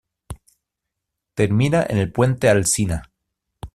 Termina en el Puente Alsina.